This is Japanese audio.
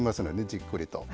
じっくりと。